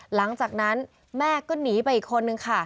หลังจากนั้นแม่ก็หนีไปอีกคนนึงค่ะ